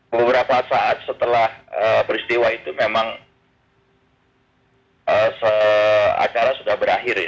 beberapa saat setelah peristiwa itu memang acara sudah berakhir ya